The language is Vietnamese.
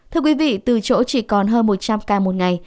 thưa quý vị từ chỗ chỉ còn hơn một trăm linh ca một ngày